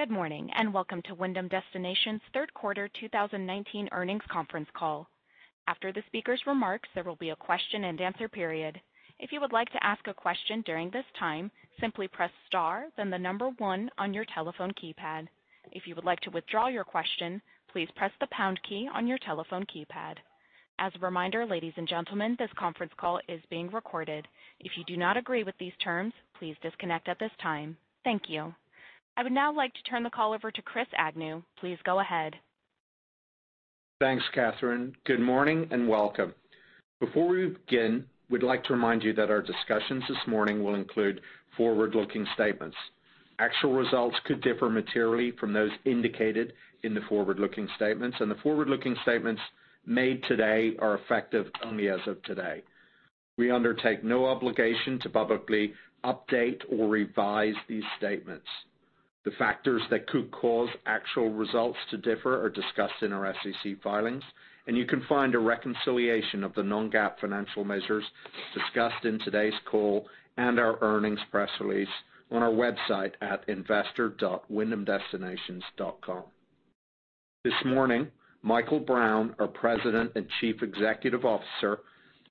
Good morning, welcome to Wyndham Destinations' third quarter 2019 earnings conference call. After the speakers' remarks, there will be a question and answer period. If you would like to ask a question during this time, simply press star then the number 1 on your telephone keypad. If you would like to withdraw your question, please press the pound key on your telephone keypad. As a reminder, ladies and gentlemen, this conference call is being recorded. If you do not agree with these terms, please disconnect at this time. Thank you. I would now like to turn the call over to Chris Agnew. Please go ahead. Thanks, Catherine. Good morning and welcome. Before we begin, we'd like to remind you that our discussions this morning will include forward-looking statements. Actual results could differ materially from those indicated in the forward-looking statements, and the forward-looking statements made today are effective only as of today. We undertake no obligation to publicly update or revise these statements. The factors that could cause actual results to differ are discussed in our SEC filings, and you can find a reconciliation of the non-GAAP financial measures discussed in today's call and our earnings press release on our website at investor.wyndhamdestinations.com. This morning, Michael Brown, our President and Chief Executive Officer,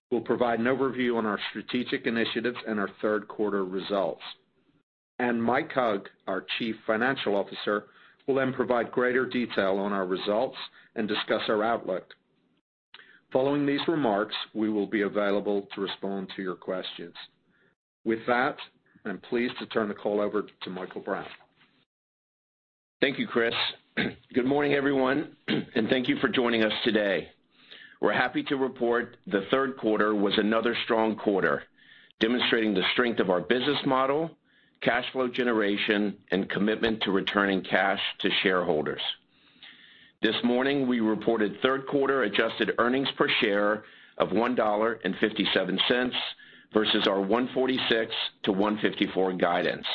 will provide an overview on our strategic initiatives and our third quarter results. Mike Hug, our Chief Financial Officer, will then provide greater detail on our results and discuss our outlook. Following these remarks, we will be available to respond to your questions. With that, I'm pleased to turn the call over to Michael Brown. Thank you, Chris. Good morning, everyone, and thank you for joining us today. We're happy to report the third quarter was another strong quarter, demonstrating the strength of our business model, cash flow generation, and commitment to returning cash to shareholders. This morning, we reported third quarter adjusted earnings per share of $1.57 versus our $1.46-$1.54 guidance.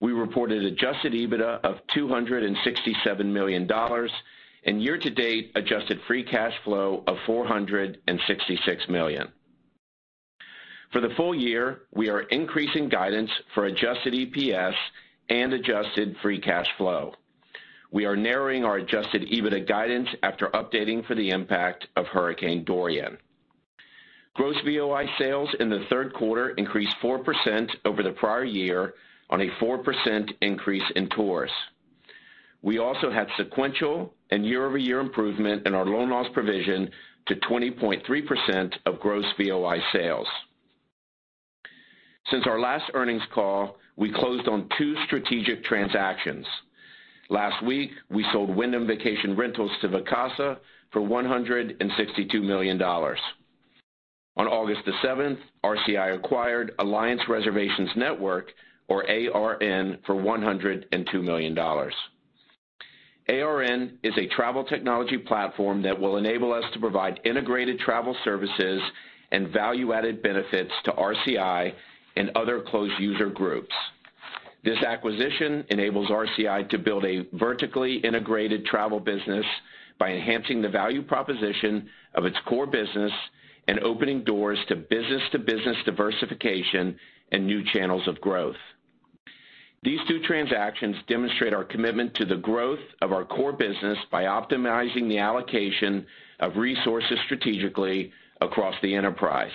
We reported adjusted EBITDA of $267 million and year-to-date adjusted free cash flow of $466 million. For the full year, we are increasing guidance for adjusted EPS and adjusted free cash flow. We are narrowing our adjusted EBITDA guidance after updating for the impact of Hurricane Dorian. Gross VOI sales in the third quarter increased 4% over the prior year on a 4% increase in tours. We also had sequential and year-over-year improvement in our loan loss provision to 20.3% of gross VOI sales. Since our last earnings call, we closed on two strategic transactions. Last week, we sold Wyndham Vacation Rentals to Vacasa for $162 million. On August the 7th, RCI acquired Alliance Reservations Network, or ARN, for $102 million. ARN is a travel technology platform that will enable us to provide integrated travel services and value-added benefits to RCI and other closed user groups. This acquisition enables RCI to build a vertically integrated travel business by enhancing the value proposition of its core business and opening doors to business-to-business diversification and new channels of growth. These two transactions demonstrate our commitment to the growth of our core business by optimizing the allocation of resources strategically across the enterprise.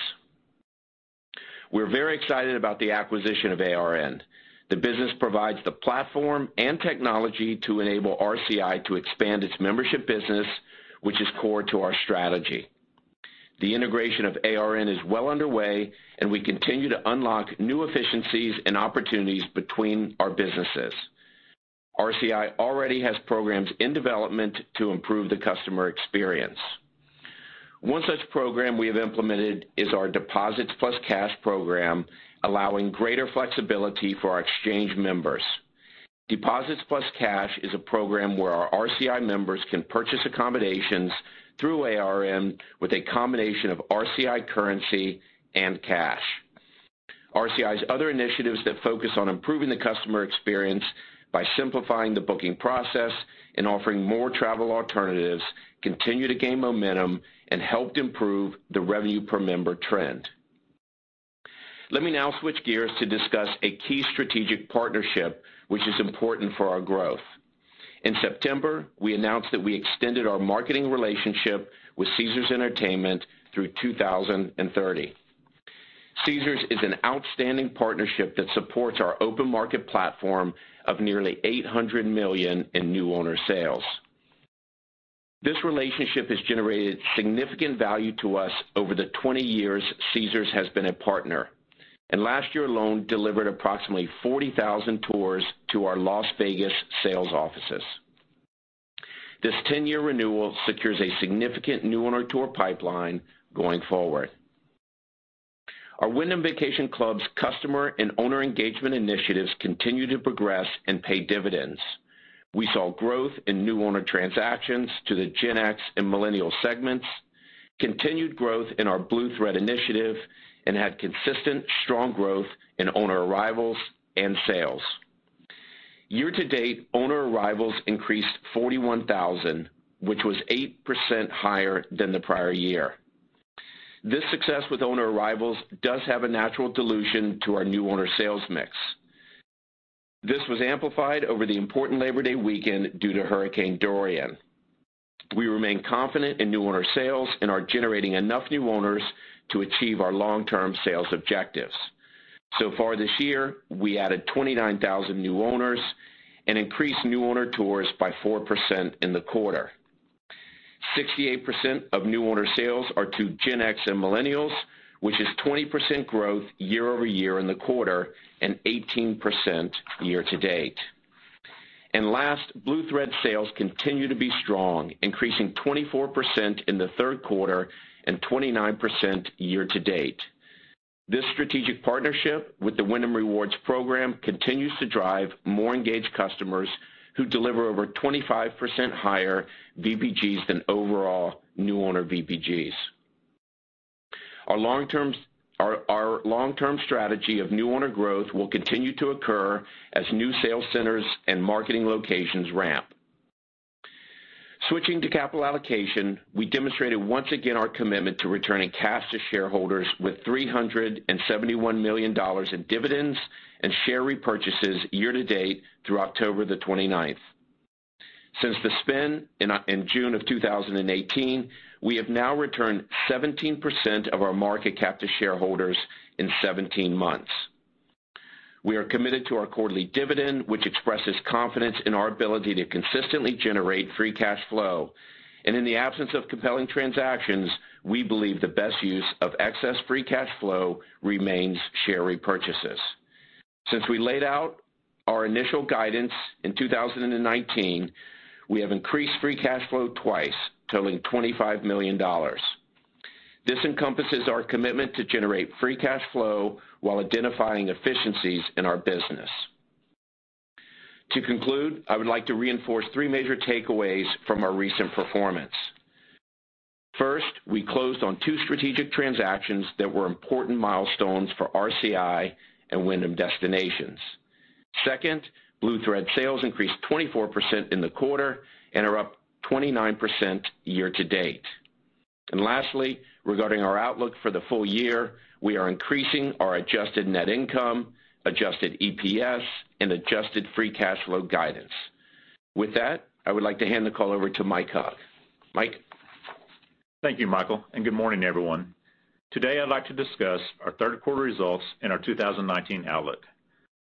We're very excited about the acquisition of ARN. The business provides the platform and technology to enable RCI to expand its membership business, which is core to our strategy. The integration of ARN is well underway, and we continue to unlock new efficiencies and opportunities between our businesses. RCI already has programs in development to improve the customer experience. One such program we have implemented is our Deposits + Cash program, allowing greater flexibility for our exchange members. Deposits + Cash is a program where our RCI members can purchase accommodations through ARN with a combination of RCI currency and cash. RCI's other initiatives that focus on improving the customer experience by simplifying the booking process and offering more travel alternatives continue to gain momentum and helped improve the revenue per member trend. Let me now switch gears to discuss a key strategic partnership which is important for our growth. In September, we announced that we extended our marketing relationship with Caesars Entertainment through 2030. Caesars is an outstanding partnership that supports our open market platform of nearly $800 million in new owner sales. This relationship has generated significant value to us over the 20 years Caesars has been a partner, and last year alone delivered approximately 40,000 tours to our Las Vegas sales offices. This 10-year renewal secures a significant new owner tour pipeline going forward. Our Wyndham Vacation Clubs' customer and owner engagement initiatives continue to progress and pay dividends. We saw growth in new owner transactions to the Gen X and millennial segments, continued growth in our Blue Thread initiative, and had consistent strong growth in owner arrivals and sales. Year to date, owner arrivals increased 41,000, which was 8% higher than the prior year. This success with owner arrivals does have a natural dilution to our new owner sales mix. This was amplified over the important Labor Day weekend due to Hurricane Dorian. We remain confident in new owner sales and are generating enough new owners to achieve our long-term sales objectives. So far this year, we added 29,000 new owners and increased new owner tours by 4% in the quarter. 68% of new owner sales are to Gen X and millennials, which is 20% growth year-over-year in the quarter and 18% year-to-date. Last, BlueThread sales continue to be strong, increasing 24% in the third quarter and 29% year-to-date. This strategic partnership with the Wyndham Rewards program continues to drive more engaged customers who deliver over 25% higher VPGs than overall new owner VPGs. Our long-term strategy of new owner growth will continue to occur as new sales centers and marketing locations ramp. Switching to capital allocation, we demonstrated once again our commitment to returning cash to shareholders with $371 million in dividends and share repurchases year to date through October the 29th. Since the spin in June of 2018, we have now returned 17% of our market cap to shareholders in 17 months. We are committed to our quarterly dividend, which expresses confidence in our ability to consistently generate free cash flow. In the absence of compelling transactions, we believe the best use of excess free cash flow remains share repurchases. Since we laid out our initial guidance in 2019, we have increased free cash flow twice, totaling $25 million. This encompasses our commitment to generate free cash flow while identifying efficiencies in our business. To conclude, I would like to reinforce three major takeaways from our recent performance. First, we closed on two strategic transactions that were important milestones for RCI and Wyndham Destinations. Second, Blue Thread sales increased 24% in the quarter and are up 29% year-to-date. Lastly, regarding our outlook for the full year, we are increasing our adjusted net income, adjusted EPS, and adjusted free cash flow guidance. With that, I would like to hand the call over to Mike Hug. Mike? Thank you, Michael, and good morning, everyone. Today, I'd like to discuss our third quarter results and our 2019 outlook.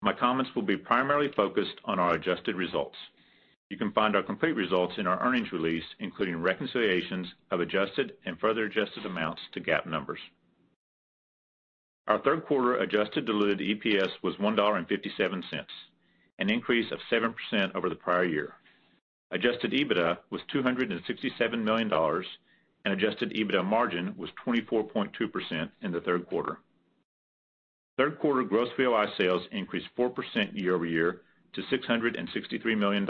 My comments will be primarily focused on our adjusted results. You can find our complete results in our earnings release, including reconciliations of adjusted and further adjusted amounts to GAAP numbers. Our third quarter adjusted diluted EPS was $1.57, an increase of 7% over the prior year. Adjusted EBITDA was $267 million, and adjusted EBITDA margin was 24.2% in the third quarter. Third quarter gross VOI sales increased 4% year-over-year to $663 million,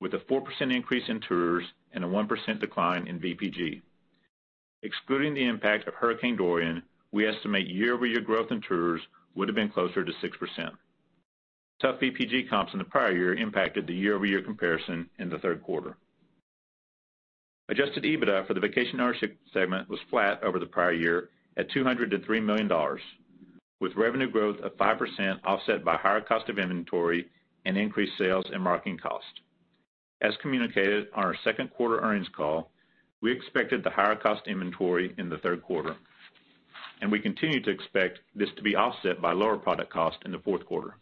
with a 4% increase in tours and a 1% decline in VPG. Excluding the impact of Hurricane Dorian, we estimate year-over-year growth in tours would have been closer to 6%. Tough VPG comps in the prior year impacted the year-over-year comparison in the third quarter. Adjusted EBITDA for the vacation ownership segment was flat over the prior year at $203 million, with revenue growth of 5% offset by higher cost of inventory and increased sales and marketing cost. As communicated on our second quarter earnings call, we expected the higher cost inventory in the third quarter, and we continue to expect this to be offset by lower product cost in the fourth quarter.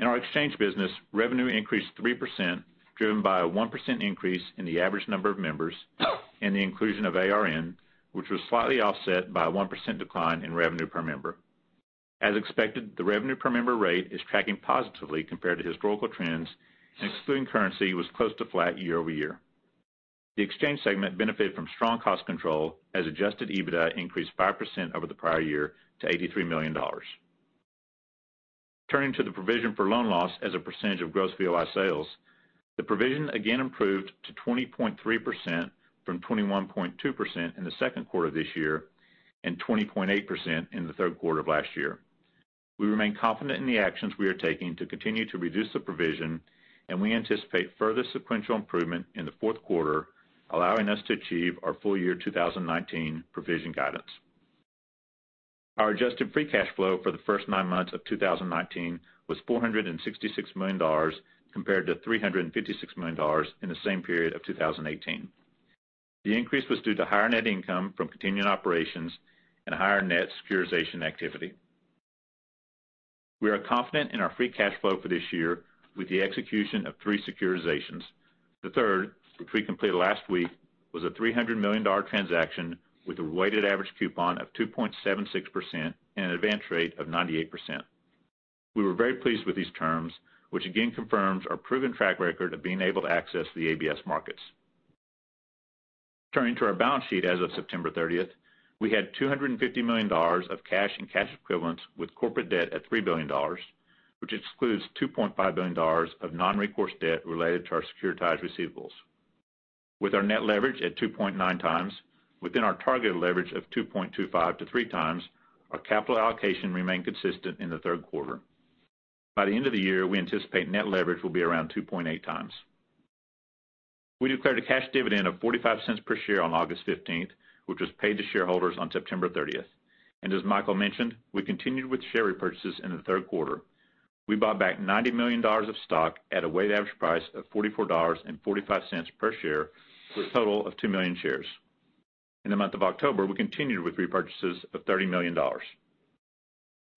In our exchange business, revenue increased 3%, driven by a 1% increase in the average number of members and the inclusion of ARN, which was slightly offset by a 1% decline in revenue per member. As expected, the revenue per member rate is tracking positively compared to historical trends and, excluding currency, was close to flat year-over-year. The exchange segment benefited from strong cost control as adjusted EBITDA increased 5% over the prior year to $83 million. Turning to the provision for loan loss as a percentage of gross VOI sales, the provision again improved to 20.3% from 21.2% in the second quarter of this year and 20.8% in the third quarter of last year. We remain confident in the actions we are taking to continue to reduce the provision, and we anticipate further sequential improvement in the fourth quarter, allowing us to achieve our full year 2019 provision guidance. Our adjusted free cash flow for the first nine months of 2019 was $466 million, compared to $356 million in the same period of 2018. The increase was due to higher net income from continuing operations and higher net securitization activity. We are confident in our free cash flow for this year with the execution of three securitizations. The third, which we completed last week, was a $300 million transaction with a weighted average coupon of 2.76% and an advance rate of 98%. We were very pleased with these terms, which again confirms our proven track record of being able to access the ABS markets. Turning to our balance sheet as of September 30th, we had $250 million of cash and cash equivalents with corporate debt at $3 billion, which excludes $2.5 billion of non-recourse debt related to our securitized receivables. With our net leverage at 2.9 times, within our targeted leverage of 2.25-3 times, our capital allocation remained consistent in the third quarter. By the end of the year, we anticipate net leverage will be around 2.8 times. We declared a cash dividend of $0.45 per share on August 15th, which was paid to shareholders on September 30th. As Michael mentioned, we continued with share repurchases in the third quarter. We bought back $90 million of stock at a weighted average price of $44.45 per share for a total of 2 million shares. In the month of October, we continued with repurchases of $30 million.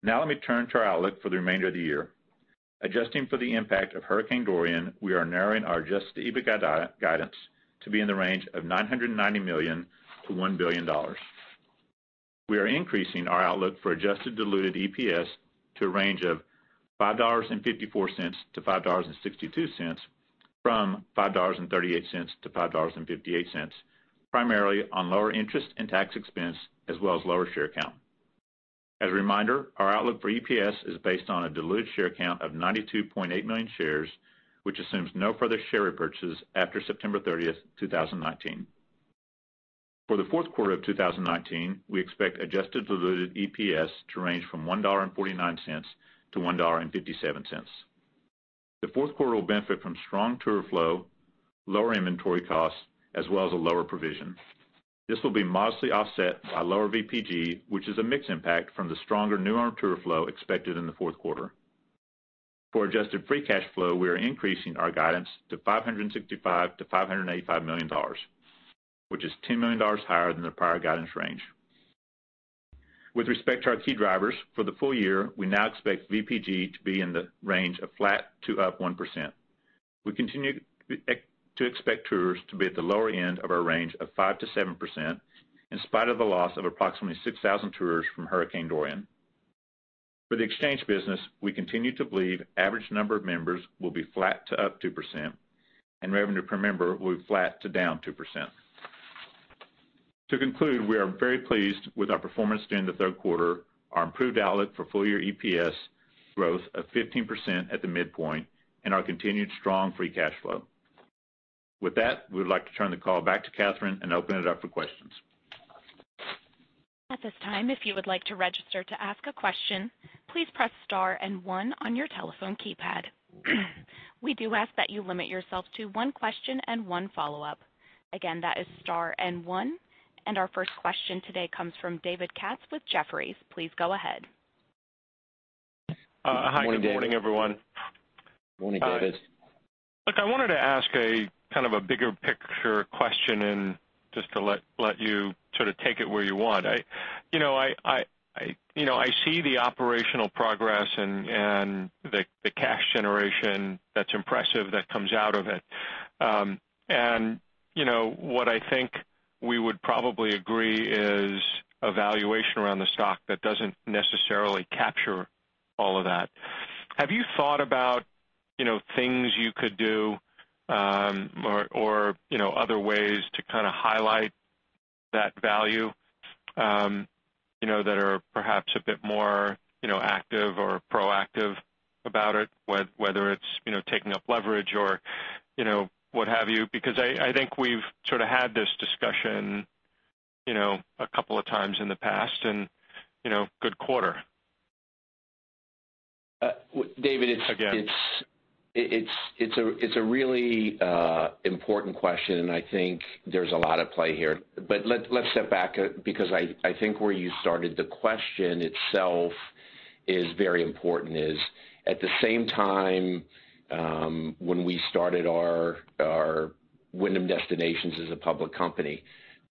Now let me turn to our outlook for the remainder of the year. Adjusting for the impact of Hurricane Dorian, we are narrowing our adjusted EBITDA guidance to be in the range of $990 million-$1 billion. We are increasing our outlook for adjusted diluted EPS to a range of $5.54-$5.62 from $5.38-$5.58, primarily on lower interest and tax expense, as well as lower share count. As a reminder, our outlook for EPS is based on a diluted share count of 92.8 million shares, which assumes no further share repurchases after September 30th, 2019. For the fourth quarter of 2019, we expect adjusted diluted EPS to range from $1.49-$1.57. The fourth quarter will benefit from strong tour flow, lower inventory costs, as well as a lower provision. This will be modestly offset by lower VPG, which is a mix impact from the stronger new tour flow expected in the fourth quarter. For adjusted free cash flow, we are increasing our guidance to $565 million-$585 million, which is $10 million higher than the prior guidance range. With respect to our key drivers for the full year, we now expect VPG to be in the range of flat to up 1%. We continue to expect tours to be at the lower end of our range of 5%-7%, in spite of the loss of approximately 6,000 tours from Hurricane Dorian. For the exchange business, we continue to believe average number of members will be flat to up 2%, and revenue per member will be flat to down 2%. To conclude, we are very pleased with our performance during the third quarter, our improved outlook for full-year EPS growth of 15% at the midpoint, and our continued strong free cash flow. With that, we would like to turn the call back to Catherine and open it up for questions. At this time, if you would like to register to ask a question, please press star and one on your telephone keypad. We do ask that you limit yourself to one question and one follow-up. Again, that is star and one. Our first question today comes from David Katz with Jefferies. Please go ahead. Good morning, David. Hi. Good morning, everyone. Morning, David. Look, I wanted to ask a kind of a bigger picture question and just to let you sort of take it where you want. I see the operational progress and the cash generation. That's impressive, that comes out of it. What I think we would probably agree is a valuation around the stock that doesn't necessarily capture all of that. Have you thought about things you could do, or other ways to kind of highlight that value, that are perhaps a bit more active or proactive about it, whether it's taking up leverage or what have you? I think we've sort of had this discussion a couple of times in the past. Good quarter. David, Again it's a really important question, and I think there's a lot at play here. Let's step back because I think where you started the question itself is very important is at the same time, when we started our Wyndham Destinations as a public company,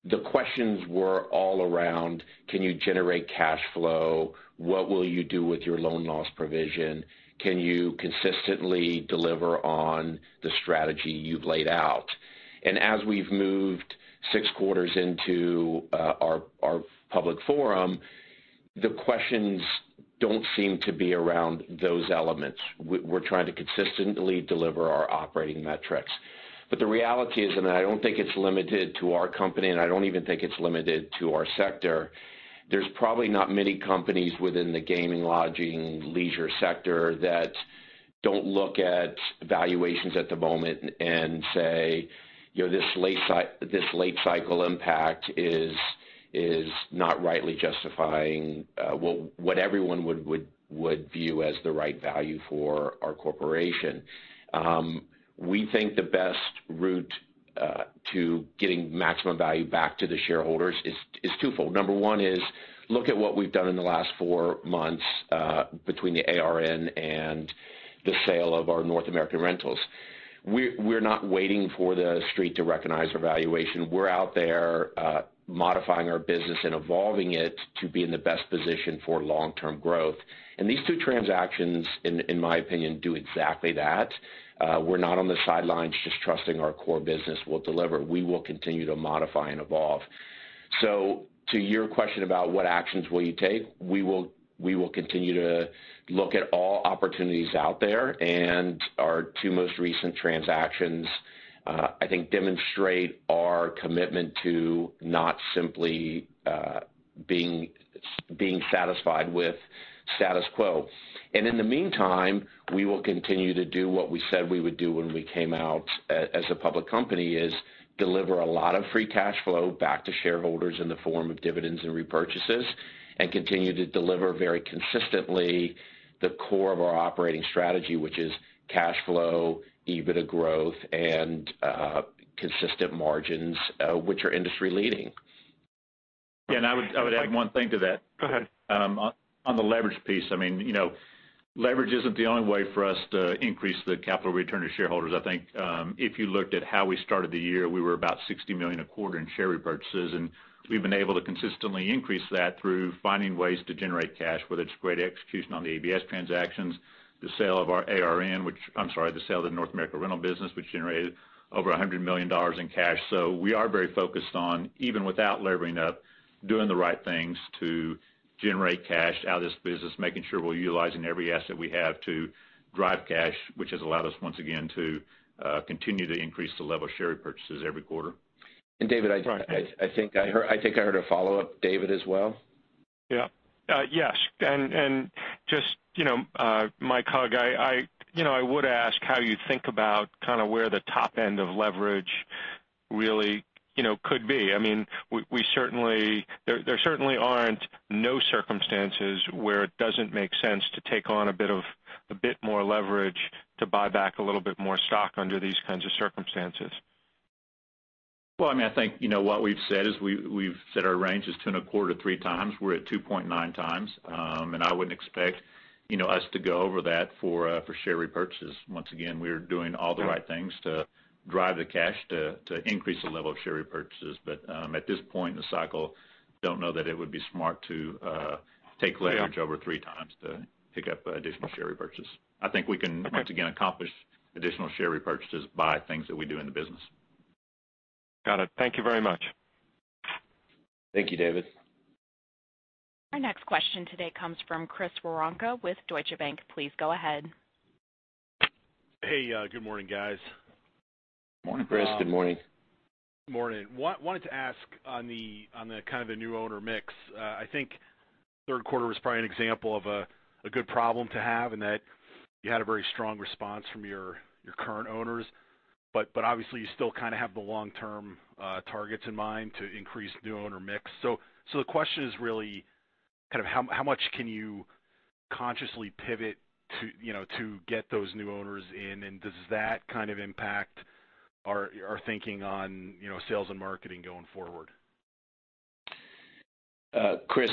the questions were all around, can you generate cash flow? What will you do with your loan loss provision? Can you consistently deliver on the strategy you've laid out? As we've moved six quarters into our public forum, the questions don't seem to be around those elements. We're trying to consistently deliver our operating metrics. The reality is, and I don't think it's limited to our company, and I don't even think it's limited to our sector. There's probably not many companies within the gaming, lodging, leisure sector that don't look at valuations at the moment and say, "This late cycle impact is not rightly justifying what everyone would view as the right value for our corporation." We think the best route to getting maximum value back to the shareholders is twofold. Number one is look at what we've done in the last four months between the ARN and the sale of our North American rentals. We're not waiting for the street to recognize our valuation. We're out there modifying our business and evolving it to be in the best position for long-term growth. These two transactions, in my opinion, do exactly that. We're not on the sidelines just trusting our core business will deliver. We will continue to modify and evolve. To your question about what actions will you take, we will continue to look at all opportunities out there, and our two most recent transactions, I think, demonstrate our commitment to not simply being satisfied with status quo. In the meantime, we will continue to do what we said we would do when we came out as a public company is deliver a lot of free cash flow back to shareholders in the form of dividends and repurchases, and continue to deliver very consistently the core of our operating strategy, which is cash flow, EBITDA growth, and consistent margins, which are industry leading. Yeah, I would add one thing to that. Go ahead. On the leverage piece, leverage isn't the only way for us to increase the capital return to shareholders. I think if you looked at how we started the year, we were about $60 million a quarter in share repurchases. We've been able to consistently increase that through finding ways to generate cash, whether it's great execution on the ABS transactions, the sale of our ARN, the sale of the North America rental business, which generated over $100 million in cash. We are very focused on, even without levering up, doing the right things to generate cash out of this business, making sure we're utilizing every asset we have to drive cash, which has allowed us, once again, to continue to increase the level of share repurchases every quarter. David, I think I heard a follow-up, David as well. Yeah. Yes, just Mike Hug, I would ask how you think about where the top end of leverage really could be. There certainly aren't no circumstances where it doesn't make sense to take on a bit more leverage to buy back a little bit more stock under these kinds of circumstances. Well, I think what we've said is we've set our range as two and a quarter, three times. We're at 2.9 times. I wouldn't expect us to go over that for share repurchases. Once again, we are doing all the right things to drive the cash to increase the level of share repurchases. At this point in the cycle, don't know that it would be smart to take leverage over three times to pick up additional share repurchase. I think we can, once again, accomplish additional share repurchases by things that we do in the business. Got it. Thank you very much. Thank you, David. Our next question today comes from Chris Woronka with Deutsche Bank. Please go ahead. Hey, good morning, guys. Morning, Chris. Chris, good morning. Good morning. Wanted to ask on the kind of the new owner mix. I think third quarter was probably an example of a good problem to have in that you had a very strong response from your current owners. Obviously you still kind of have the long-term targets in mind to increase new owner mix. The question is really how much can you consciously pivot to get those new owners in, and does that kind of impact our thinking on sales and marketing going forward? Chris,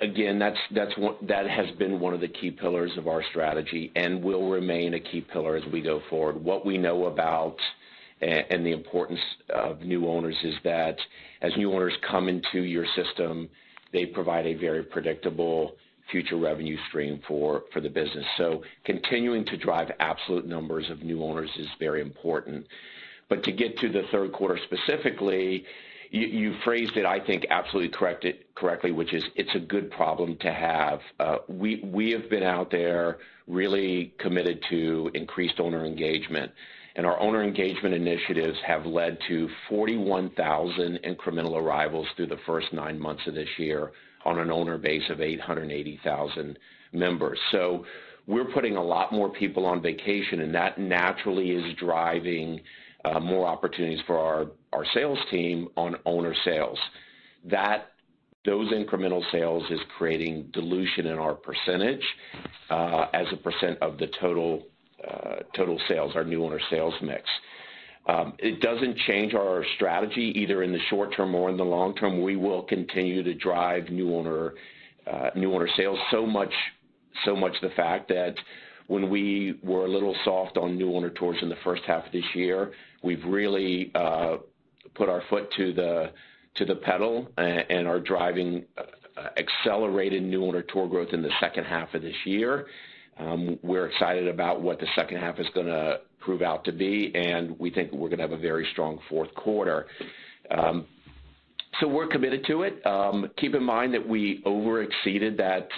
again, that has been one of the key pillars of our strategy and will remain a key pillar as we go forward. What we know about and the importance of new owners is that as new owners come into your system, they provide a very predictable future revenue stream for the business. Continuing to drive absolute numbers of new owners is very important. To get to the third quarter specifically, you phrased it, I think, absolutely correctly, which is it's a good problem to have. We have been out there really committed to increased owner engagement, and our owner engagement initiatives have led to 41,000 incremental arrivals through the first nine months of this year on an owner base of 880,000 members. We're putting a lot more people on vacation, and that naturally is driving more opportunities for our sales team on owner sales. Those incremental sales is creating dilution in our percentage as a percent of the total sales, our new owner sales mix. It doesn't change our strategy, either in the short term or in the long term. We will continue to drive new owner sales so much the fact that when we were a little soft on new owner tours in the first half of this year, we've really put our foot to the pedal and are driving accelerated new owner tour growth in the second half of this year. We're excited about what the second half is going to prove out to be, we think we're going to have a very strong fourth quarter. We're committed to it. Keep in mind that we over exceeded that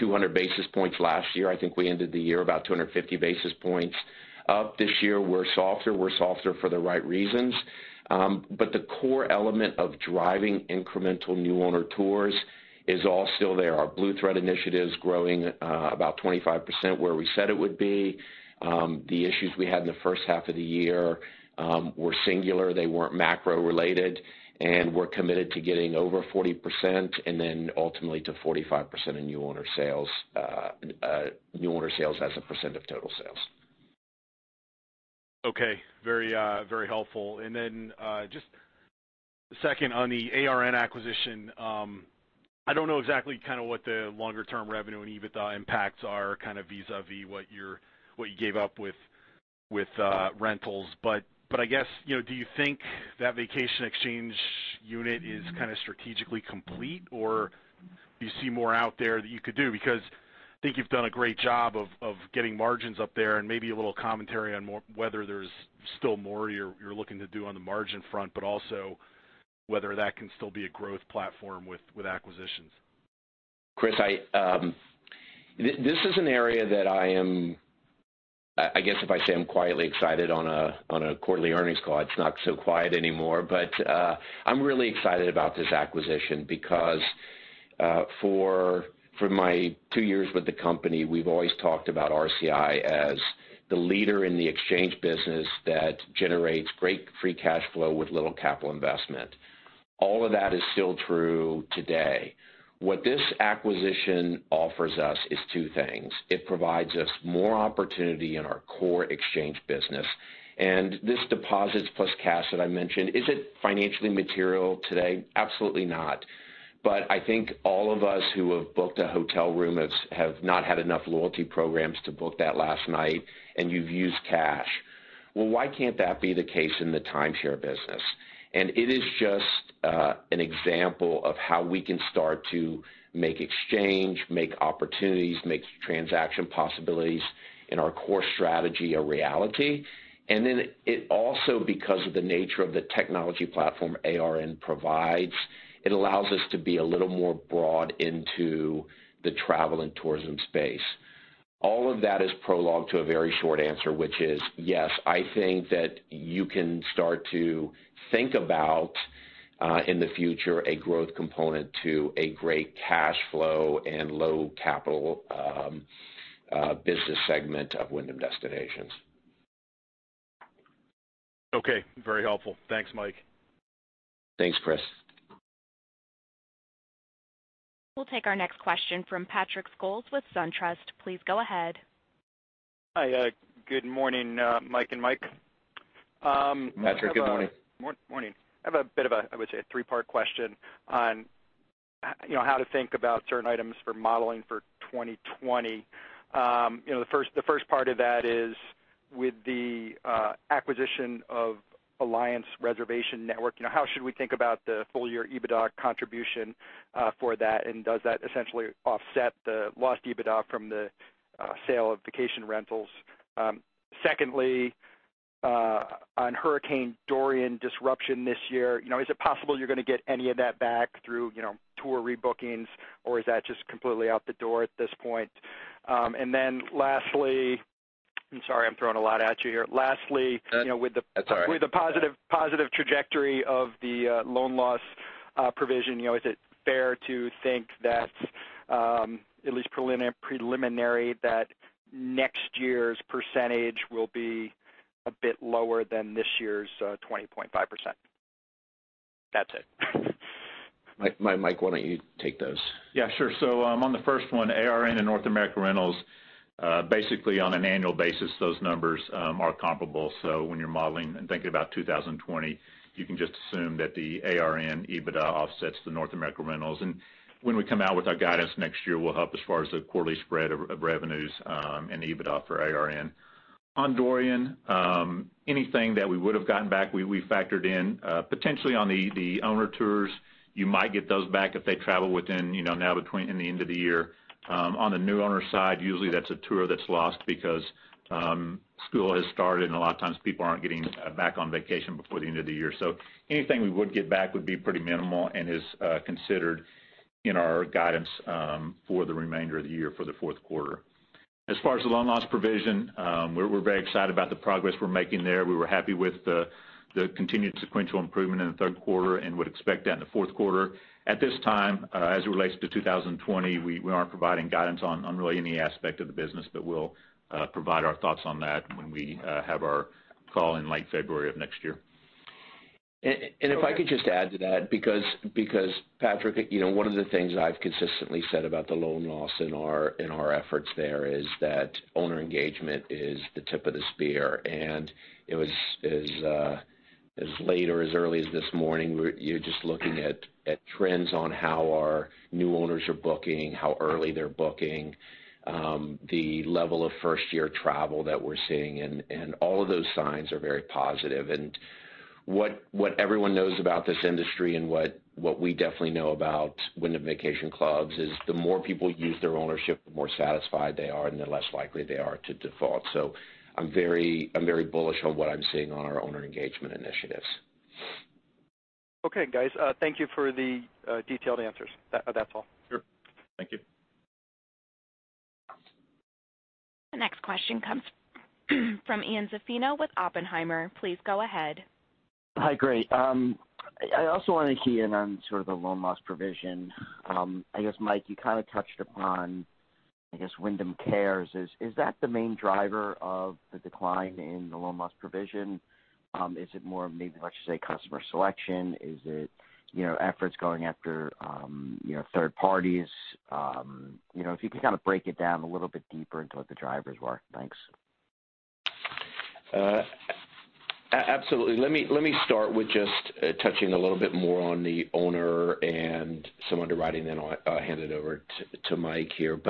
200 basis points last year. I think we ended the year about 250 basis points up. This year, we're softer. We're softer for the right reasons. The core element of driving incremental new owner tours is all still there. Our Blue Thread initiative's growing about 25%, where we said it would be. The issues we had in the first half of the year were singular. They weren't macro related, and we're committed to getting over 40% and then ultimately to 45% in new owner sales as a percent of total sales. Okay. Very helpful. Just second on the ARN acquisition. I don't know exactly what the longer-term revenue and EBITDA impacts are vis-à-vis what you gave up with rentals, I guess do you think that vacation exchange unit is strategically complete, or do you see more out there that you could do? I think you've done a great job of getting margins up there and maybe a little commentary on whether there's still more you're looking to do on the margin front, but also whether that can still be a growth platform with acquisitions. Chris, this is an area that I guess if I say I'm quietly excited on a quarterly earnings call, it's not so quiet anymore, but I'm really excited about this acquisition. For my two years with the company, we've always talked about RCI as the leader in the exchange business that generates great free cash flow with little capital investment. All of that is still true today. What this acquisition offers us is two things. It provides us more opportunity in our core exchange business. This Deposits + Cash that I mentioned, is it financially material today? Absolutely not. I think all of us who have booked a hotel room have not had enough loyalty programs to book that last night, and you've used cash. Well, why can't that be the case in the timeshare business? It is just an example of how we can start to make exchange, make opportunities, make transaction possibilities in our core strategy a reality. It also, because of the nature of the technology platform ARN provides, it allows us to be a little more broad into the travel and tourism space. All of that is prologue to a very short answer, which is, yes, I think that you can start to think about, in the future, a growth component to a great cash flow and low capital business segment of Wyndham Destinations. Okay. Very helpful. Thanks, Mike. Thanks, Chris. We'll take our next question from Patrick Scholes with SunTrust. Please go ahead. Hi. Good morning, Mike and Mike. Patrick, good morning. Morning. I have a bit of, I would say, three-part question on how to think about certain items for modeling for 2020. The first part of that is with the acquisition of Alliance Reservations Network, how should we think about the full year EBITDA contribution for that? Does that essentially offset the lost EBITDA from the sale of Wyndham Vacation Rentals? Secondly, on Hurricane Dorian disruption this year, is it possible you're going to get any of that back through tour rebookings, or is that just completely out the door at this point? Lastly, I'm sorry, I'm throwing a lot at you here. That's all right. with the positive trajectory of the loan loss provision, is it fair to think that, at least preliminary, that next year's percentage will be a bit lower than this year's 20.5%? That's it. Mike, why don't you take those? Yeah, sure. On the first one, ARN and North America Rentals, basically on an annual basis, those numbers are comparable. When you're modeling and thinking about 2020, you can just assume that the ARN EBITDA offsets the North America Rentals. When we come out with our guidance next year, we'll help as far as the quarterly spread of revenues and EBITDA for ARN. On Hurricane Dorian, anything that we would've gotten back, we factored in. Potentially on the owner tours, you might get those back if they travel within now between and the end of the year. On the new owner side, usually that's a tour that's lost because school has started, and a lot of times people aren't getting back on vacation before the end of the year. Anything we would get back would be pretty minimal and is considered in our guidance for the remainder of the year for the fourth quarter. As far as the loan loss provision, we're very excited about the progress we're making there. We were happy with the continued sequential improvement in the third quarter and would expect that in the fourth quarter. At this time, as it relates to 2020, we aren't providing guidance on really any aspect of the business. We'll provide our thoughts on that when we have our call in late February of next year. If I could just add to that, because Patrick, one of the things I've consistently said about the loan loss in our efforts there is that owner engagement is the tip of the spear. It was as late or as early as this morning, you're just looking at trends on how our new owners are booking, how early they're booking, the level of first-year travel that we're seeing, and all of those signs are very positive. What everyone knows about this industry and what we definitely know about Wyndham Vacation Clubs is the more people use their ownership, the more satisfied they are, and the less likely they are to default. I'm very bullish on what I'm seeing on our owner engagement initiatives. Okay, guys. Thank you for the detailed answers. That's all. Sure. Thank you. The next question comes from Ian Zaffino with Oppenheimer. Please go ahead. Hi, great. I also want to key in on sort of the loan loss provision. I guess, Mike, you kind of touched upon, I guess Wyndham Cares. Is that the main driver of the decline in the loan loss provision? Is it more of maybe, let's just say, customer selection? Is it efforts going after third parties? If you could kind of break it down a little bit deeper into what the drivers were. Thanks. Absolutely. Let me start with just touching a little bit more on the owner and some underwriting, then I'll hand it over to Mike here.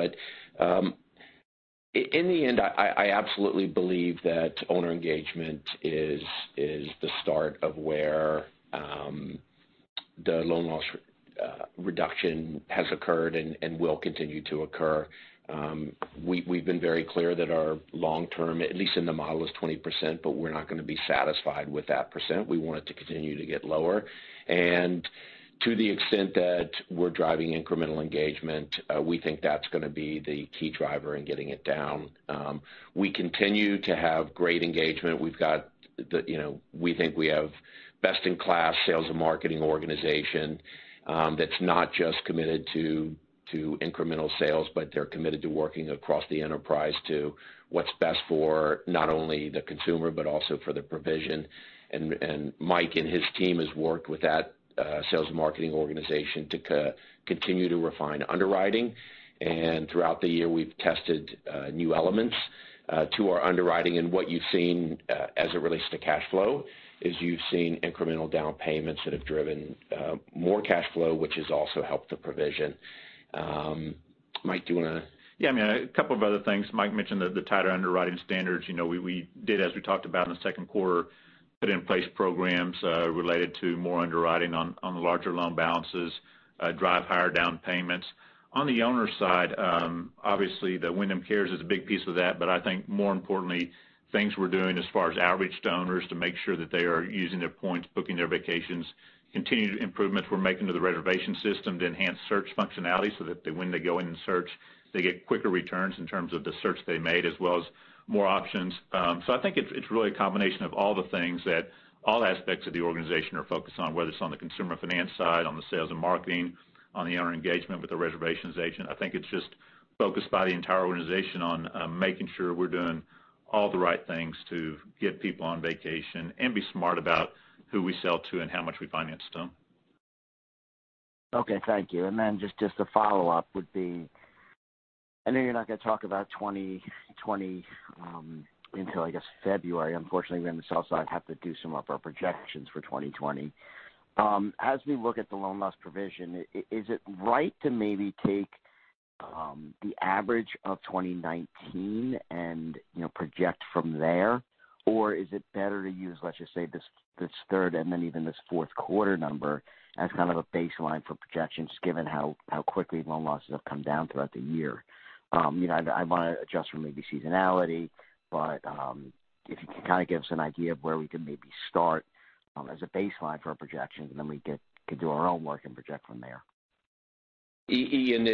In the end, I absolutely believe that owner engagement is the start of where the loan loss reduction has occurred and will continue to occur. We've been very clear that our long term, at least in the model, is 20%, but we're not going to be satisfied with that %. We want it to continue to get lower. To the extent that we're driving incremental engagement, we think that's going to be the key driver in getting it down. We continue to have great engagement. We think we have best-in-class sales and marketing organization that's not just committed to incremental sales, but they're committed to working across the enterprise to what's best for not only the consumer but also for the provision. Mike and his team has worked with that sales and marketing organization to continue to refine underwriting. Throughout the year, we've tested new elements to our underwriting. What you've seen as it relates to cash flow is you've seen incremental down payments that have driven more cash flow, which has also helped the provision. Mike, do you want to- I mean, a couple of other things. Mike mentioned the tighter underwriting standards. We did, as we talked about in the second quarter, put in place programs related to more underwriting on the larger loan balances, drive higher down payments. On the owner side, obviously the Wyndham Cares is a big piece of that, but I think more importantly, things we're doing as far as outreach to owners to make sure that they are using their points, booking their vacations, continued improvements we're making to the reservation system to enhance search functionality so that when they go in and search, they get quicker returns in terms of the search they made, as well as more options. I think it's really a combination of all the things that all aspects of the organization are focused on, whether it's on the consumer finance side, on the sales and marketing, on the owner engagement with the reservations agent. I think it's just focused by the entire organization on making sure we're doing all the right things to get people on vacation and be smart about who we sell to and how much we finance them. Okay, thank you. Just a follow-up would be, I know you're not going to talk about 2020 until, I guess, February. Unfortunately, we on the sell side have to do some of our projections for 2020. As we look at the loan loss provision, is it right to maybe take the average of 2019 and project from there? Is it better to use, let's just say, this third and then even this fourth quarter number as kind of a baseline for projections, given how quickly loan losses have come down throughout the year? I want to adjust for maybe seasonality, but if you can kind of give us an idea of where we can maybe start as a baseline for our projections, and then we can do our own work and project from there. Ian,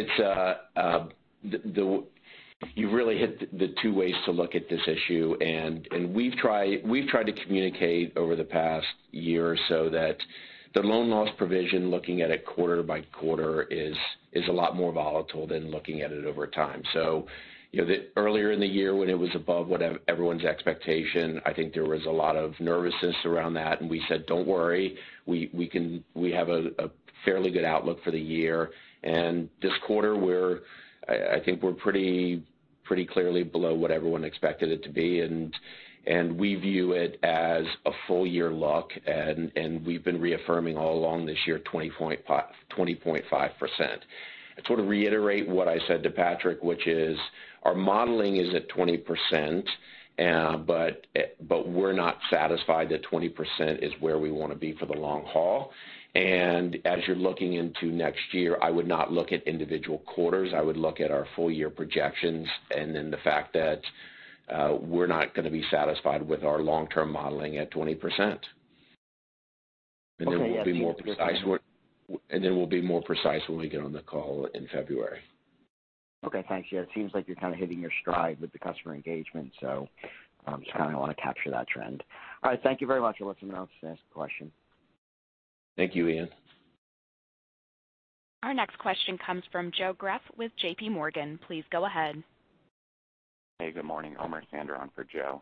you really hit the two ways to look at this issue, and we've tried to communicate over the past year or so that the loan loss provision, looking at it quarter by quarter, is a lot more volatile than looking at it over time. Earlier in the year when it was above everyone's expectation, I think there was a lot of nervousness around that. We said, "Don't worry, we have a fairly good outlook for the year." This quarter, I think we're pretty clearly below what everyone expected it to be, and we view it as a full year look. We've been reaffirming all along this year 20.5%. To sort of reiterate what I said to Patrick, which is our modeling is at 20%, but we're not satisfied that 20% is where we want to be for the long haul. As you're looking into next year, I would not look at individual quarters. I would look at our full year projections and then the fact that we're not going to be satisfied with our long-term modeling at 20%. Okay, yeah. We'll be more precise when we get on the call in February. Okay, thanks. Yeah, it seems like you're kind of hitting your stride with the customer engagement, so just kind of want to capture that trend. All right, thank you very much. I'll let someone else ask a question. Thank you, Ian. Our next question comes from Joe Greff with JP Morgan. Please go ahead. Hey, good morning. Omer Sander on for Joe.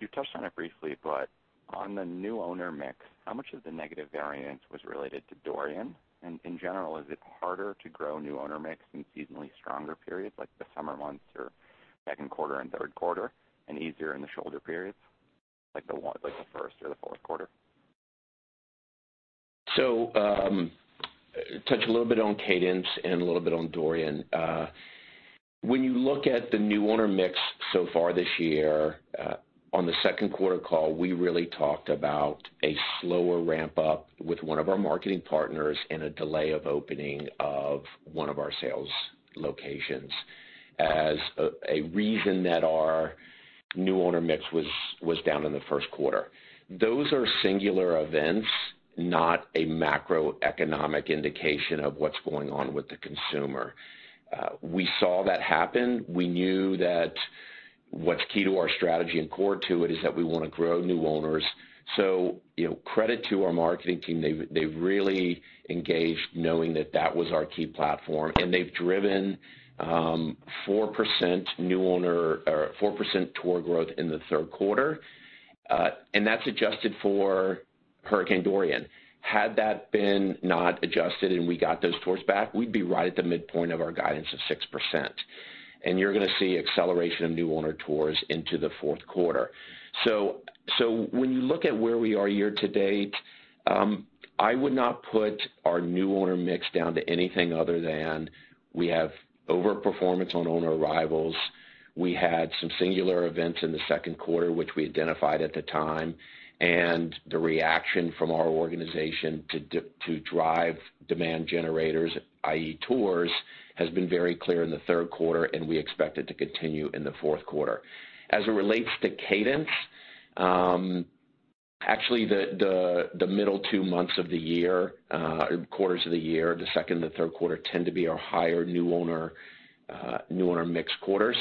You touched on it briefly, but on the new owner mix, how much of the negative variance was related to Dorian? In general, is it harder to grow new owner mix in seasonally stronger periods like the summer months or second quarter and third quarter, and easier in the shoulder periods, like the first or the fourth quarter? Touch a little bit on cadence and a little bit on Hurricane Dorian. When you look at the new owner mix so far this year, on the second quarter call, we really talked about a slower ramp up with one of our marketing partners and a delay of opening of one of our sales locations as a reason that our new owner mix was down in the first quarter. Those are singular events, not a macroeconomic indication of what's going on with the consumer. We saw that happen. We knew that what's key to our strategy and core to it is that we want to grow new owners. Credit to our marketing team. They've really engaged knowing that that was our key platform, and they've driven 4% tour growth in the third quarter. That's adjusted for Hurricane Dorian. Had that been not adjusted and we got those tours back, we'd be right at the midpoint of our guidance of 6%. You're going to see acceleration of new owner tours into the fourth quarter. When you look at where we are year to date, I would not put our new owner mix down to anything other than we have over performance on owner arrivals. We had some singular events in the second quarter, which we identified at the time, and the reaction from our organization to drive demand generators, i.e., tours, has been very clear in the third quarter, and we expect it to continue in the fourth quarter. As it relates to cadence, actually the middle two quarters of the year, the second and the third quarter, tend to be our higher new owner mix quarters.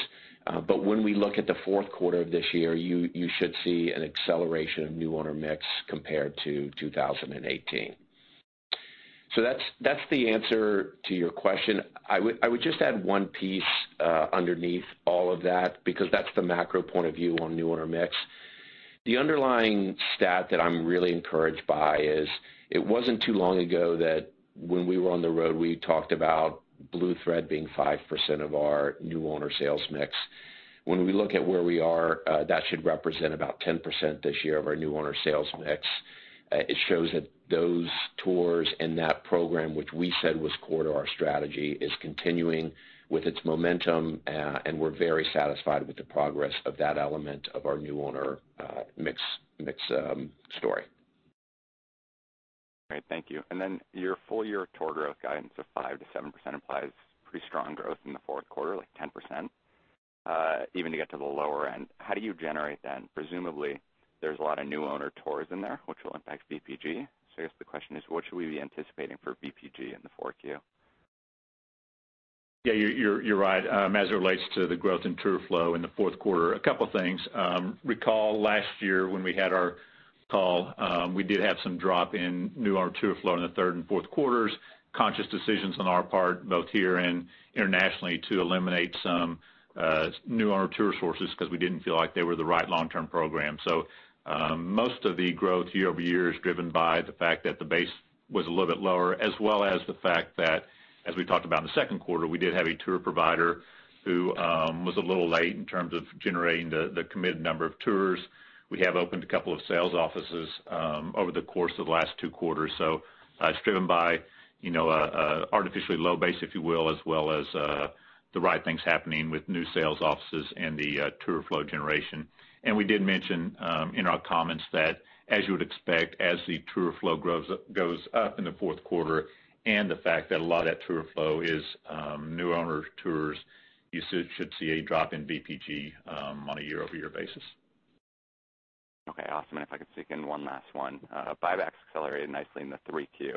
When we look at the fourth quarter of this year, you should see an acceleration of new owner mix compared to 2018. That's the answer to your question. I would just add one piece underneath all of that, because that's the macro point of view on new owner mix. The underlying stat that I'm really encouraged by is, it wasn't too long ago that when we were on the road, we talked about BlueThread being 5% of our new owner sales mix. When we look at where we are, that should represent about 10% this year of our new owner sales mix. It shows that those tours and that program, which we said was core to our strategy, is continuing with its momentum, and we're very satisfied with the progress of that element of our new owner mix story. Great. Thank you. Then your full-year tour growth guidance of 5%-7% implies pretty strong growth in the fourth quarter, like 10%, even to get to the lower end. How do you generate then? Presumably there's a lot of new owner tours in there, which will impact VPG. I guess the question is, what should we be anticipating for VPG in the 4Q? Yeah, you're right. As it relates to the growth in tour flow in the fourth quarter, a couple things. Recall last year when we had our call, we did have some drop in new owner tour flow in the third and fourth quarters. Conscious decisions on our part, both here and internationally, to eliminate some new owner tour sources, because we didn't feel like they were the right long-term program. Most of the growth year-over-year is driven by the fact that the base was a little bit lower, as well as the fact that, as we talked about in the second quarter, we did have a tour provider who was a little late in terms of generating the committed number of tours. We have opened a couple of sales offices over the course of the last two quarters. It's driven by artificially low base, if you will, as well as the right things happening with new sales offices and the tour flow generation. We did mention in our comments that, as you would expect, as the tour flow goes up in the fourth quarter, and the fact that a lot of that tour flow is new owner tours, you should see a drop in VPG on a year-over-year basis. Okay. Awesome. If I could sneak in one last one. Buybacks accelerated nicely in the 3Q.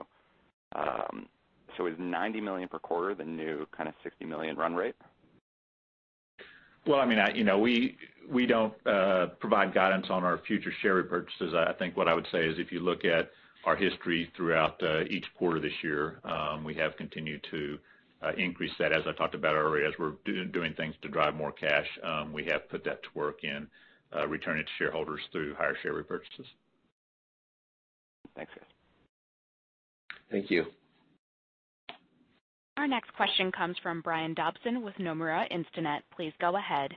Is $90 million per quarter the new kind of $60 million run rate? Well, we don't provide guidance on our future share repurchases. I think what I would say is if you look at our history throughout each quarter this year, we have continued to increase that. As I talked about earlier, as we're doing things to drive more cash, we have put that to work in returning it to shareholders through higher share repurchases. Thanks, guys. Thank you. Our next question comes from Brian Dobson with Nomura Instinet. Please go ahead.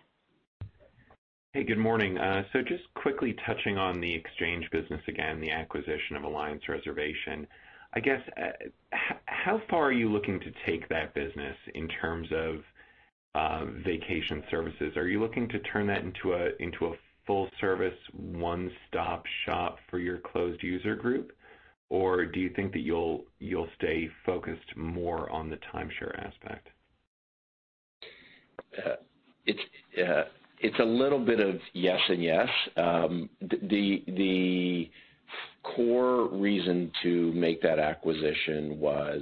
Hey, good morning. Just quickly touching on the exchange business again, the acquisition of Alliance Reservation. I guess, how far are you looking to take that business in terms of vacation services? Are you looking to turn that into a full service one-stop shop for your closed user group? Do you think that you'll stay focused more on the timeshare aspect? It's a little bit of yes and yes. The core reason to make that acquisition was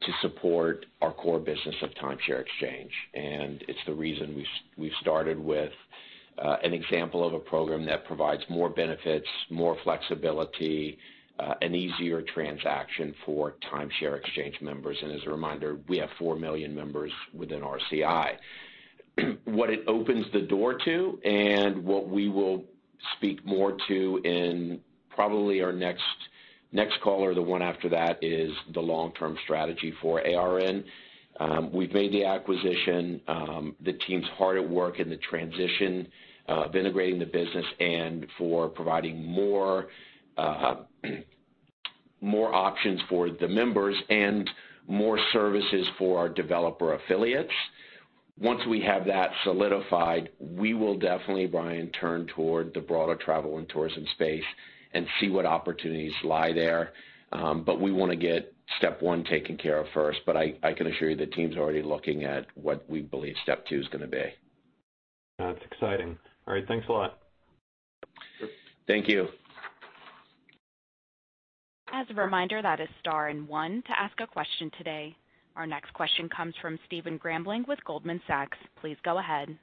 to support our core business of timeshare exchange. It's the reason we started with an example of a program that provides more benefits, more flexibility, an easier transaction for timeshare exchange members. As a reminder, we have 4 million members within RCI. What it opens the door to and what we will speak more to in probably our next call or the one after that, is the long-term strategy for ARN. We've made the acquisition. The team's hard at work in the transition of integrating the business and for providing more options for the members and more services for our developer affiliates. Once we have that solidified, we will definitely, Brian, turn toward the broader travel and tourism space and see what opportunities lie there. We want to get step one taken care of first. I can assure you, the team's already looking at what we believe step two is going to be. That's exciting. All right. Thanks a lot. Thank you. As a reminder, that is star and one to ask a question today. Our next question comes from Stephen Grambling with Goldman Sachs. Please go ahead.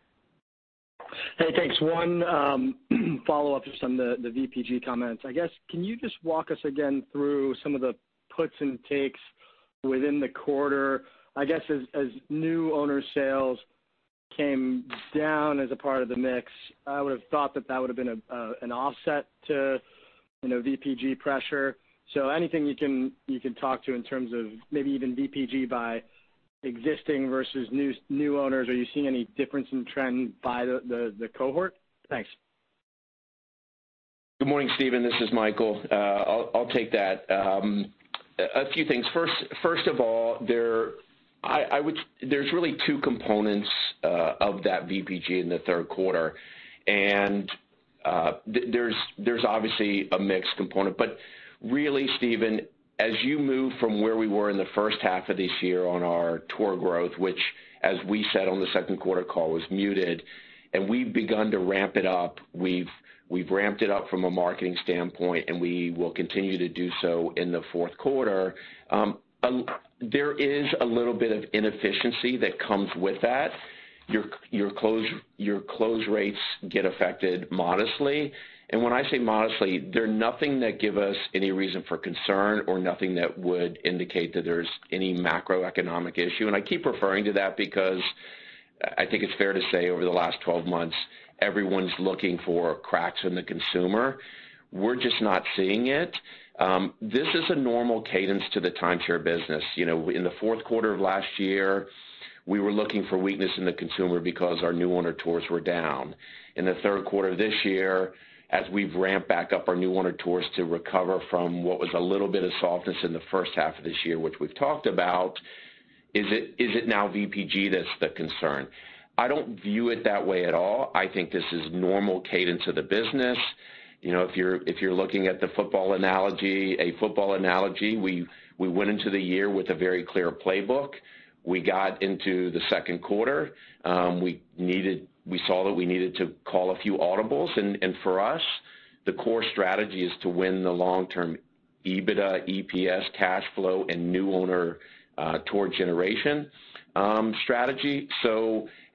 Hey, thanks. One follow-up just on the VPG comments. I guess, can you just walk us again through some of the puts and takes within the quarter? I guess as new owner sales came down as a part of the mix, I would've thought that that would've been an offset to VPG pressure. Anything you can talk to in terms of maybe even VPG by existing versus new owners. Are you seeing any difference in trend by the cohort? Thanks. Good morning, Stephen. This is Michael. I'll take that. A few things. First of all, There's really two components of that VPG in the third quarter, there's obviously a mixed component. Really, Stephen, as you move from where we were in the first half of this year on our tour growth, which as we said on the second quarter call, was muted, we've begun to ramp it up. We've ramped it up from a marketing standpoint, we will continue to do so in the fourth quarter. There is a little bit of inefficiency that comes with that. Your close rates get affected modestly. When I say modestly, they're nothing that give us any reason for concern or nothing that would indicate that there's any macroeconomic issue. I keep referring to that because I think it's fair to say, over the last 12 months, everyone's looking for cracks in the consumer. We're just not seeing it. This is a normal cadence to the timeshare business. In the fourth quarter of last year, we were looking for weakness in the consumer because our new owner tours were down. In the third quarter of this year, as we've ramped back up our new owner tours to recover from what was a little bit of softness in the first half of this year, which we've talked about, is it now VPG that's the concern? I don't view it that way at all. I think this is normal cadence of the business. If you're looking at a football analogy, we went into the year with a very clear playbook. We got into the second quarter. We saw that we needed to call a few audibles. For us, the core strategy is to win the long-term EBITDA, EPS, cash flow, and new owner tour generation strategy.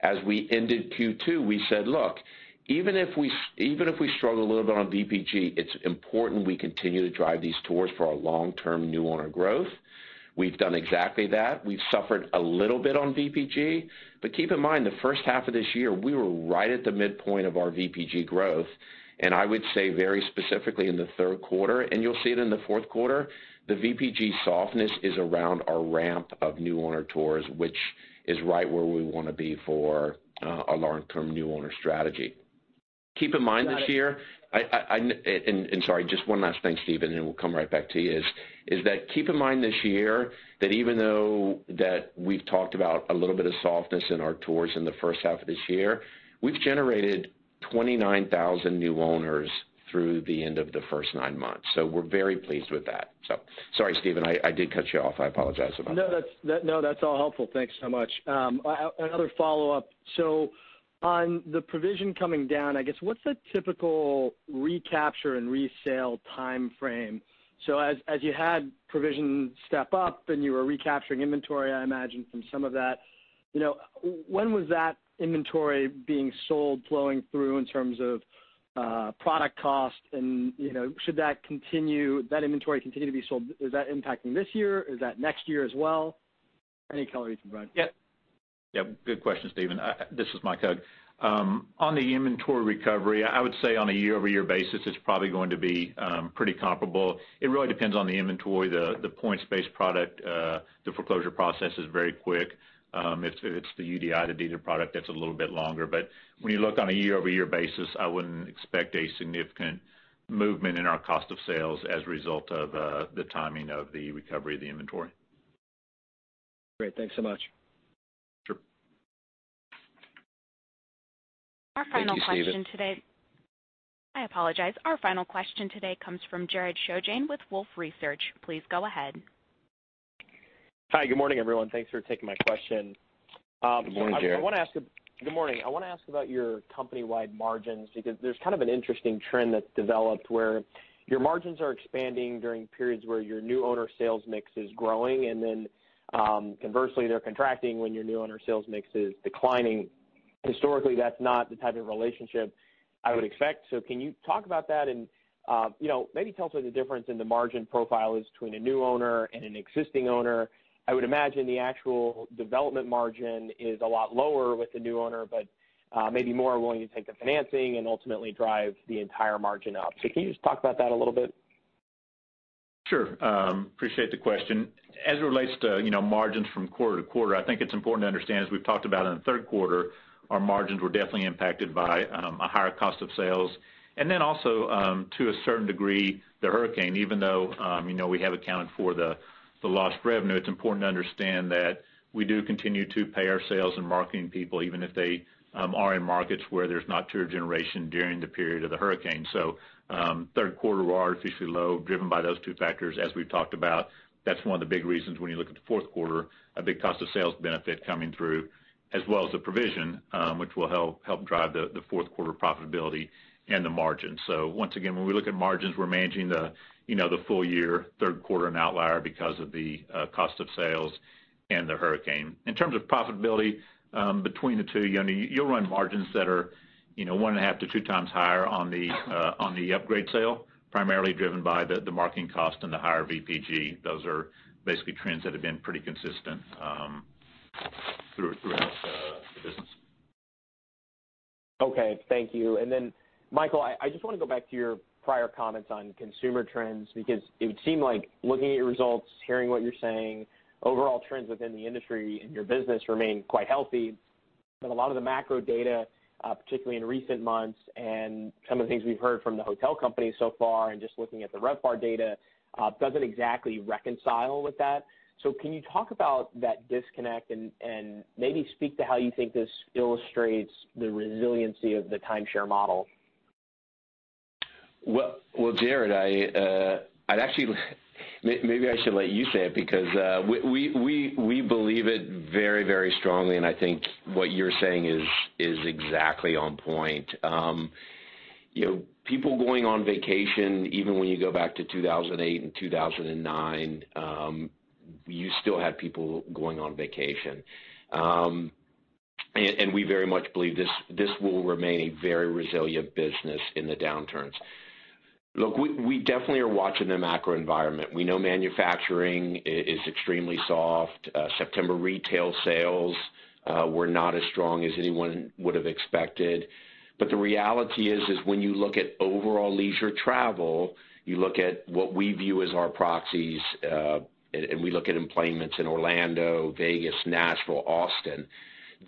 As we ended Q2, we said, "Look, even if we struggle a little bit on VPG, it's important we continue to drive these tours for our long-term new owner growth." We've done exactly that. We've suffered a little bit on VPG, but keep in mind, the first half of this year, we were right at the midpoint of our VPG growth. I would say very specifically in the third quarter, you'll see it in the fourth quarter, the VPG softness is around our ramp of new owner tours, which is right where we want to be for our long-term new owner strategy. Sorry, just one last thing, Stephen, then we'll come right back to you, is that keep in mind this year that even though that we've talked about a little bit of softness in our tours in the first half of this year, we've generated 29,000 new owners through the end of the first nine months. We're very pleased with that. Sorry, Stephen, I did cut you off. I apologize about that. No, that's all helpful. Thanks so much. Another follow-up. On the provision coming down, I guess, what's the typical recapture and resale timeframe? As you had provision step up and you were recapturing inventory, I imagine from some of that, when was that inventory being sold, flowing through in terms of product cost and should that inventory continue to be sold? Is that impacting this year? Is that next year as well? Any color you can provide. Yeah. Good question, Stephen. This is Mike Hug. On the inventory recovery, I would say on a year-over-year basis, it's probably going to be pretty comparable. It really depends on the inventory, the points-based product. The foreclosure process is very quick. If it's the UDI, the deeded product, that's a little bit longer. When you look on a year-over-year basis, I wouldn't expect a significant movement in our cost of sales as a result of the timing of the recovery of the inventory. Great. Thanks so much. Sure. Thank you, Stephen. I apologize. Our final question today comes from Jared Shojaian with Wolfe Research. Please go ahead. Hi. Good morning, everyone. Thanks for taking my question. Good morning, Jared. Good morning. I want to ask about your company-wide margins, because there's kind of an interesting trend that's developed where your margins are expanding during periods where your new owner sales mix is growing, and then conversely, they're contracting when your new owner sales mix is declining. Historically, that's not the type of relationship I would expect. Can you talk about that and maybe tell us what the difference in the margin profile is between a new owner and an existing owner? I would imagine the actual development margin is a lot lower with the new owner, but maybe more willing to take the financing and ultimately drive the entire margin up. Can you just talk about that a little bit? Sure. Appreciate the question. As it relates to margins from quarter to quarter, I think it's important to understand, as we've talked about in the third quarter, our margins were definitely impacted by a higher cost of sales. Also to a certain degree, the hurricane, even though we have accounted for the lost revenue, it's important to understand that we do continue to pay our sales and marketing people, even if they are in markets where there's not tour generation during the period of the hurricane. Third quarter were artificially low, driven by those two factors. As we've talked about, that's one of the big reasons when you look at the fourth quarter, a big cost of sales benefit coming through, as well as the provision, which will help drive the fourth quarter profitability and the margin. Once again, when we look at margins, we're managing the full year, third quarter an outlier because of the cost of sales and the hurricane. In terms of profitability between the two, you'll run margins that are one and a half to two times higher on the upgrade sale, primarily driven by the marketing cost and the higher VPG. Those are basically trends that have been pretty consistent throughout the business. Okay. Thank you. Michael, I just want to go back to your prior comments on consumer trends, because it would seem like looking at your results, hearing what you're saying, overall trends within the industry and your business remain quite healthy. But a lot of the macro data, particularly in recent months, and some of the things we've heard from the hotel companies so far and just looking at the RevPAR data, doesn't exactly reconcile with that. Can you talk about that disconnect and maybe speak to how you think this illustrates the resiliency of the timeshare model? Well, Jared, maybe I should let you say it because we believe it very strongly, and I think what you're saying is exactly on point. People going on vacation, even when you go back to 2008 and 2009, you still had people going on vacation. We very much believe this will remain a very resilient business in the downturns. Look, we definitely are watching the macro environment. We know manufacturing is extremely soft. September retail sales were not as strong as anyone would have expected. The reality is when you look at overall leisure travel, you look at what we view as our proxies, and we look at employments in Orlando, Vegas, Nashville, Austin,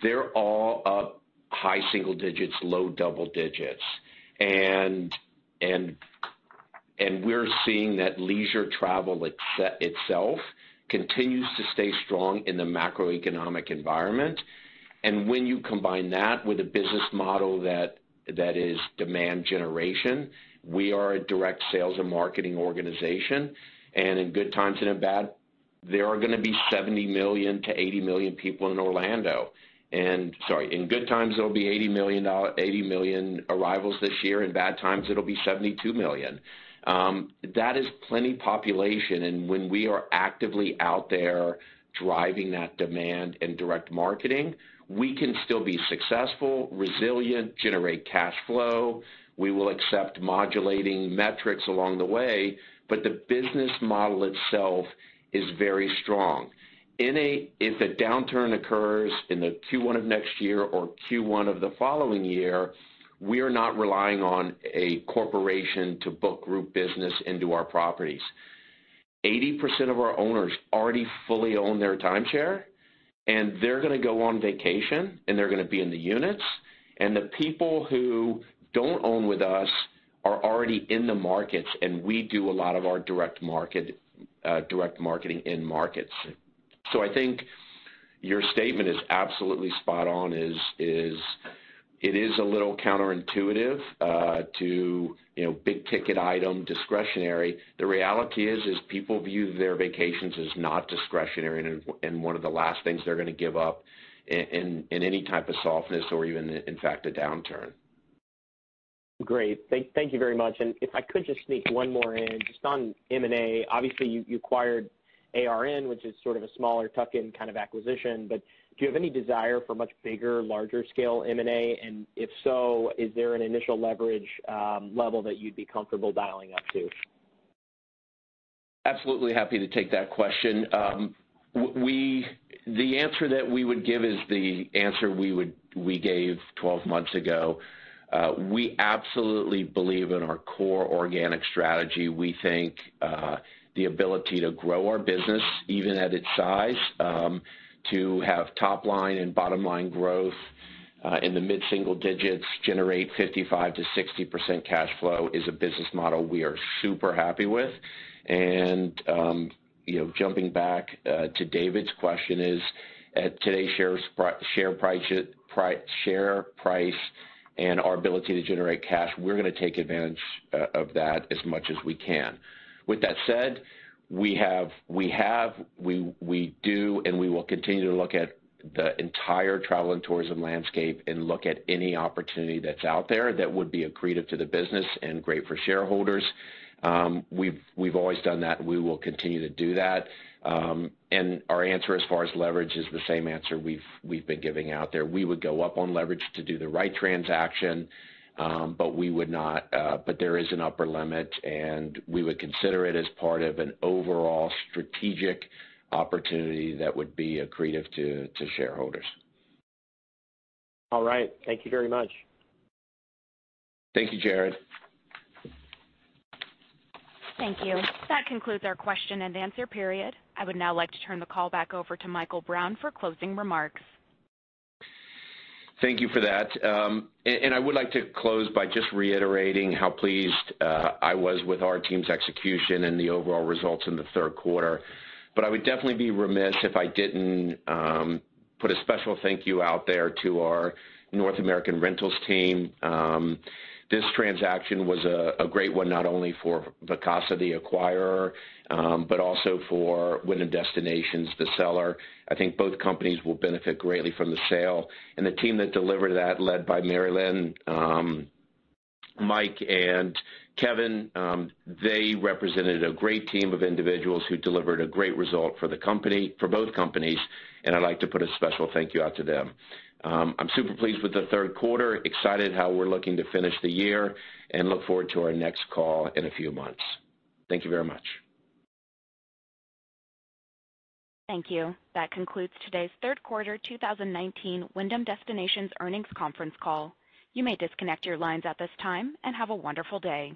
they're all up high single digits, low double digits. We're seeing that leisure travel itself continues to stay strong in the macroeconomic environment, and when you combine that with a business model that is demand generation, we are a direct sales and marketing organization, and in good times and in bad, there are going to be 70 million-80 million people in Orlando. In good times, there'll be 80 million arrivals this year. In bad times, it'll be 72 million. That is plenty population, and when we are actively out there driving that demand in direct marketing, we can still be successful, resilient, generate cash flow. We will accept modulating metrics along the way, but the business model itself is very strong. If a downturn occurs in Q1 of next year or Q1 of the following year, we are not relying on a corporation to book group business into our properties. 80% of our owners already fully own their timeshare, and they're going to go on vacation, and they're going to be in the units. The people who don't own with us are already in the markets, and we do a lot of our direct marketing in markets. I think your statement is absolutely spot on is it is a little counterintuitive to big ticket item discretionary. The reality is people view their vacations as not discretionary and one of the last things they're going to give up in any type of softness or even in fact, a downturn. Great. Thank you very much. If I could just sneak one more in, just on M&A. Obviously, you acquired ARN, which is sort of a smaller tuck-in kind of acquisition, but do you have any desire for much bigger, larger scale M&A? If so, is there an initial leverage level that you'd be comfortable dialing up to? Absolutely happy to take that question. The answer that we would give is the answer we gave 12 months ago. We absolutely believe in our core organic strategy. We think the ability to grow our business, even at its size, to have top line and bottom line growth in the mid-single digits, generate 55%-60% cash flow is a business model we are super happy with. Jumping back to David's question is, at today's share price and our ability to generate cash, we're going to take advantage of that as much as we can. With that said, we have, we do, and we will continue to look at the entire travel and tourism landscape and look at any opportunity that's out there that would be accretive to the business and great for shareholders. We've always done that, and we will continue to do that. Our answer as far as leverage is the same answer we've been giving out there. We would go up on leverage to do the right transaction, but there is an upper limit, and we would consider it as part of an overall strategic opportunity that would be accretive to shareholders. All right. Thank you very much. Thank you, Jared. Thank you. That concludes our question and answer period. I would now like to turn the call back over to Michael Brown for closing remarks. Thank you for that. I would like to close by just reiterating how pleased I was with our team's execution and the overall results in the third quarter. I would definitely be remiss if I didn't put a special thank you out there to our North American rentals team. This transaction was a great one, not only for Vacasa, the acquirer, but also for Wyndham Destinations, the seller. I think both companies will benefit greatly from the sale. The team that delivered that, led by Marilyn, Mike, and Kevin, they represented a great team of individuals who delivered a great result for both companies, and I'd like to put a special thank you out to them. I'm super pleased with the third quarter, excited how we're looking to finish the year, and look forward to our next call in a few months. Thank you very much. Thank you. That concludes today's third quarter 2019 Wyndham Destinations Earnings Conference Call. You may disconnect your lines at this time, and have a wonderful day.